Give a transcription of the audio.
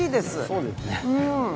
そうですね。